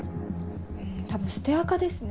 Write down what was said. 多分捨てアカですね。